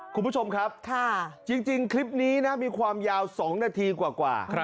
คุณผู้ชมครับจริงคลิปนี้นะมีความยาว๒นาทีกว่า